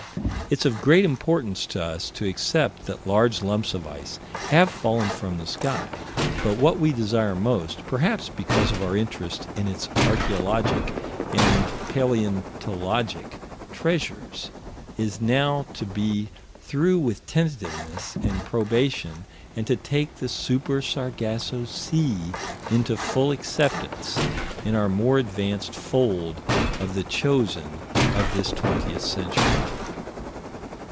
It's of great importance to us to accept that large lumps of ice have fallen from the sky, but what we desire most perhaps because of our interest in its archaeologic and palaeontologic treasures is now to be through with tentativeness and probation, and to take the Super Sargasso Sea into full acceptance in our more advanced fold of the chosen of this twentieth century.